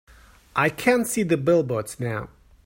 I can see the billboards now.